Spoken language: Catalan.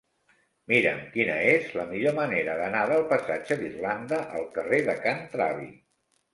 Mira'm quina és la millor manera d'anar del passatge d'Irlanda al carrer de Can Travi.